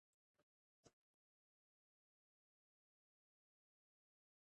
د واک دوام د ولس له رضایت سره تړاو لري